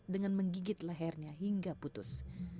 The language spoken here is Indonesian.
dengan menggigit lehernya hingga putus